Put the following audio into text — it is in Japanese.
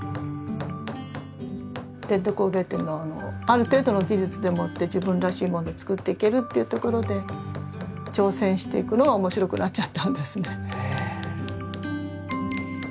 伝統工芸展のある程度の技術でもって自分らしいものを作っていけるっていうところで挑戦していくのが面白くなっちゃったんですね。